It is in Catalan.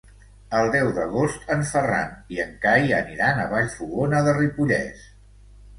El deu d'agost en Ferran i en Cai aniran a Vallfogona de Ripollès.